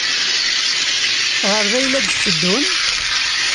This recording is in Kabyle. Ɣer da ay la d-tteddun?